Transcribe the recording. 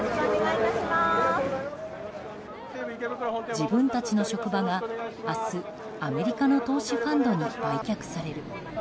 自分たちの職場が明日、アメリカの投資ファンドに売却される。